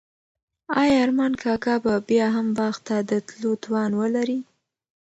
آیا ارمان کاکا به بیا هم باغ ته د تلو توان ولري؟